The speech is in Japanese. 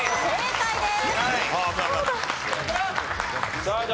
正解です。